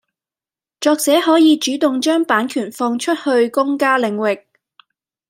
作者可以主動將版權放出去公家領域